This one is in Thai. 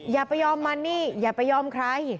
อย่าไปยอมมันนี่อย่าไปยอมใคร